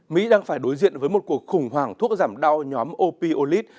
mỹ đang phải đối diện với một cuộc khủng hoảng thuốc giảm đau nhóm opolid